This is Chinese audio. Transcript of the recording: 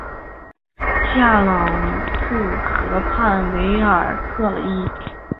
夏朗特河畔韦尔特伊。